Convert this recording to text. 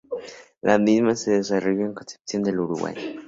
La misma se desarrolló en Concepción del Uruguay.